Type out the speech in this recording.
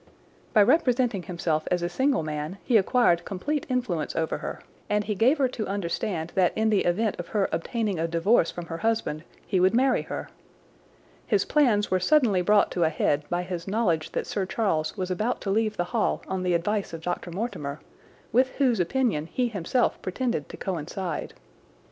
By representing himself as a single man he acquired complete influence over her, and he gave her to understand that in the event of her obtaining a divorce from her husband he would marry her. His plans were suddenly brought to a head by his knowledge that Sir Charles was about to leave the Hall on the advice of Dr. Mortimer, with whose opinion he himself pretended to coincide.